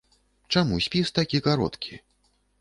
Чаму спіс такі кароткі?